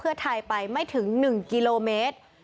พักพุทธไทยไปไม่ถึง๑กิโลเมตร